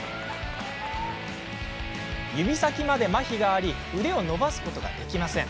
指先まで、まひがあり腕を伸ばすことができません。